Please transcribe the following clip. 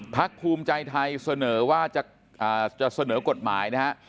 ภูมิใจไทยเสนอว่าจะเสนอกฎหมายนะฮะ